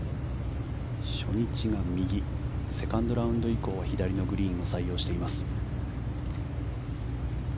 初日が右、セカンドラウンド以降左のグリーンを採用しています。